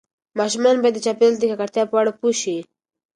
ماشومان باید د چاپیریال د ککړتیا په اړه پوه شي.